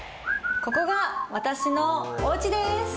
ここが私のおうちです！